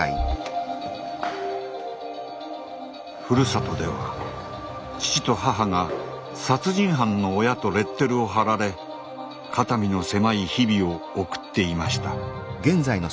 ふるさとでは父と母が「殺人犯の親」とレッテルを貼られ肩身の狭い日々を送っていました。